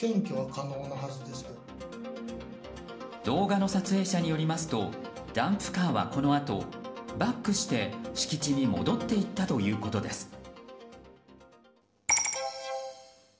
動画の撮影者によりますとダンプカーは、このあとバックして敷地に戻っていたということです。